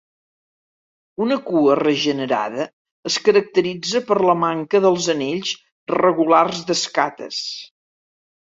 Una cua regenerada es caracteritza per la manca dels anells regulars d'escates.